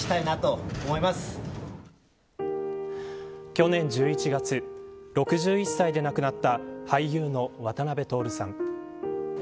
去年１１月６１歳で亡くなった俳優の渡辺徹さん。